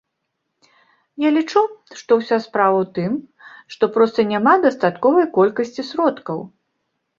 Я лічу, што ўся справа ў тым, што проста няма дастатковай колькасці сродкаў.